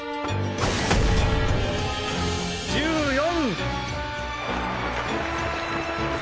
１４！